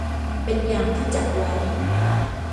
เป็นอย่างที่จัดไว้